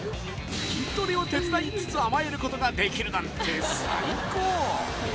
筋トレを手伝いつつ甘えることができるなんて最高！